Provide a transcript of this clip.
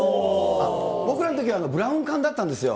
僕らのときはブラウン管だったんですよ。